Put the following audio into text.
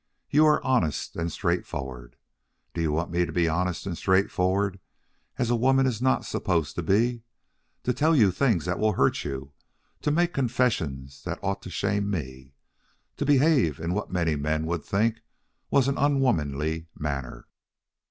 "You are honest and straightforward. Do you want me to be honest and straightforward as a woman is not supposed to be? to tell you things that will hurt you? to make confessions that ought to shame me? to behave in what many men would think was an unwomanly manner?"